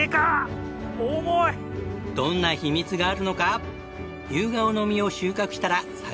どんな秘密があるのかユウガオの実を収穫したら作業場へ。